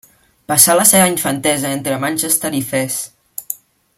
Passà la seva infantesa entre Manchester i Fes.